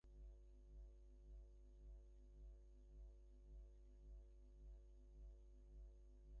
অন্য কাগজে বোধ হয় ওঁর কাগজকে গাল দিয়ে থাকবে।